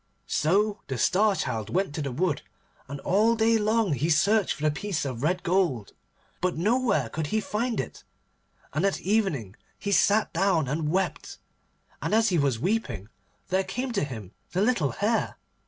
So the Star Child went to the wood, and all day long he searched for the piece of red gold, but nowhere could he find it. And at evening he sat him down and wept, and as he was weeping there came to him the little Hare.